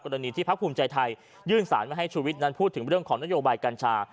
รณีที่พักภูมิใจไทยยื่นสารมาให้ชุวิตนั้นพูดถึงเรื่องของนโยบายกัญชา